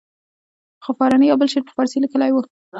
خو فاراني یو بل شعر په فارسي لیکلی وو.